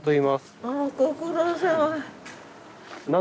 ああご苦労さま。